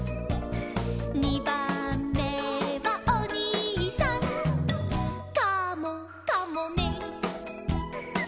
「にばんめはおにいさん」「カモかもね」